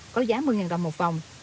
có giá một mươi đồng một vòng